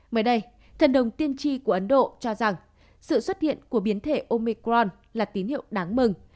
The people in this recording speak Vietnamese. mới đây thần đồng tiên tri của ấn độ cho rằng sự xuất hiện của biến thể omicron là tín hiệu đáng mừng